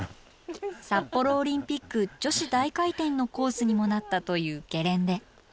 札幌オリンピック女子大回転のコースにもなったというゲレンデ。